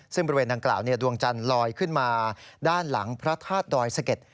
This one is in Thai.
ซึ่งบริเวณดังกล่าวดวงจันทร์ลอยขึ้นมาด้านหลังพระธาตุดอยสะเก็ด